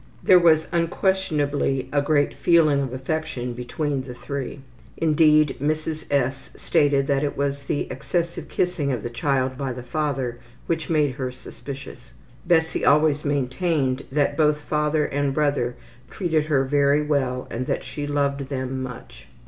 There was unquestionably a great feeling of affection between the three. Indeed, Mrs. S. stated that it was the excessive kissing of the child by the father which made her suspicious. Bessie always maintained that both father and brother treated her very well and that she loved them much.